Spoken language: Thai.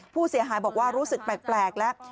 ผู้เสียหายบอกว่ารู้สึกแปลกแล้ว